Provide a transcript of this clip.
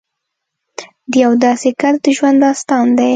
د یو داسې کس د ژوند داستان دی